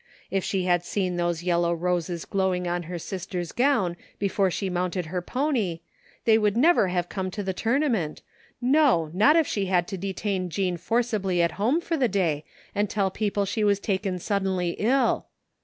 If she had seen those yellow roses glowing on her sister's gown before she mounted her pony they would never have come to the tournament, no, not if she had to detain Jean forcibly at home for the day and tell people she was taken suddenly ill!